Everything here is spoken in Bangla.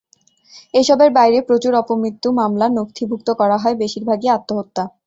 এসবের বাইরে প্রচুর অপমৃত্যু মামলা নথিভুক্ত করা হয়, বেশির ভাগই আত্মহত্যা।